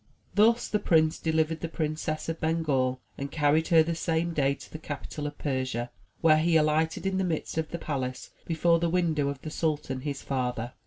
'' Thus the prince delivered the Princess of Bengal, and carried her the same day to the capital of Persia, where he alighted in the midst of the palace before the window of the sultan, his father.